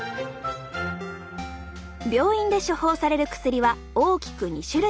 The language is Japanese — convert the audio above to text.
病院で処方される薬は大きく２種類。